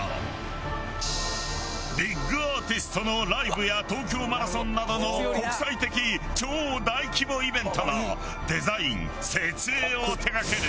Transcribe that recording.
ビッグアーティストのライブや東京マラソンなどの国際的超大規模イベントのデザイン設営を手掛ける。